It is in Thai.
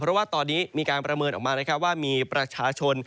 เพราะว่าตอนนี้มีการประเมินออกมานะครับว่ามีประชาชน